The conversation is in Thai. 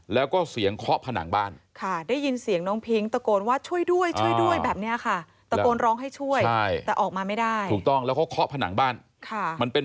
แล้วก็เสียงเคาะผนังบ้าน